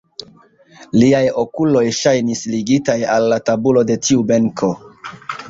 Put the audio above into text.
Liaj okuloj ŝajnis ligitaj al la tabulo de tiu benko.